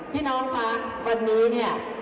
พี่น้องคะวันนี้เนี่ย